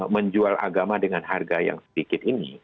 menjual agama dengan harga yang sedikit ini